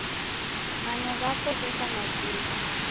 Mano ghapo gheka mavui